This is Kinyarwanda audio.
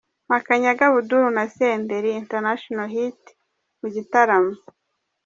Makanyaga Abdoul na Senderi Internatinal Hits mu gitaramo.